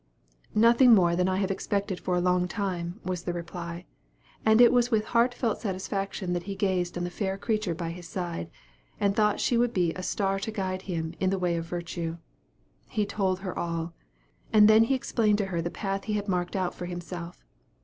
"Nothing more than I have expected for a long time," was the reply; and it was with heartfelt satisfaction that he gazed on the fair creature by his side, and thought she would be a star to guide him in the way of virtue. He told her all. And then he explained to her the path he had marked out for himself.